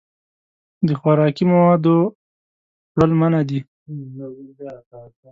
د خوراکي موادو وړل منع دي.